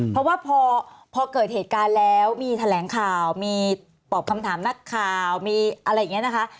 เพราะว่าพอเกิดเหตุการณ์แล้วมีแถลงข่าวมีตอบคำถามนักข่าวมีอะไรอย่างนี้นะคะ